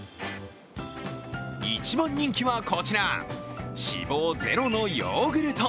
一番人気はこちら、脂肪ゼロのヨーグルト。